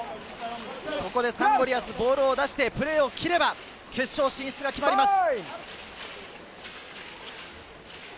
ここでサンゴリアス、ボールを出してプレーを切れば、決勝進出が決まります。